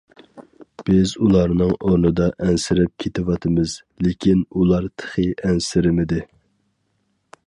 بىز ئۇلارنىڭ ئورنىدا ئەنسىرەپ كېتىۋاتىمىز، لېكىن ئۇلار تېخى ئەنسىرىمىدى.